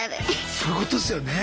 そういうことですよね。